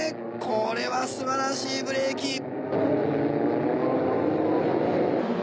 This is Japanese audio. これは素晴らしいブレーキ！